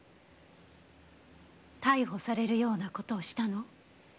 逮捕されるような事をしたの？